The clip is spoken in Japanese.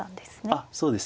あっそうですね。